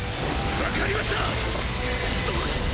わかりましたっ！